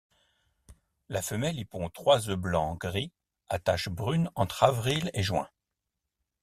La femelle y pond trois œufs blancs-gris à taches brunes entre avril et juin.